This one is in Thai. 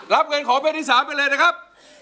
รับเงินขอเพลงที่๓ไปเลยนะครับ